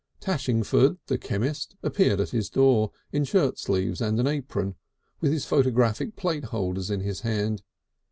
Tashingford, the chemist, appeared at his door, in shirt sleeves and an apron, with his photographic plate holders in his hand.